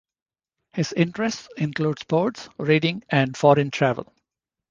His interests include sports, reading and foreign travel.